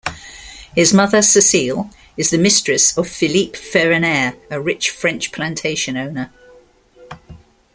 His mother, Cecile, is the mistress of Philippe Ferronaire, a rich French plantation owner.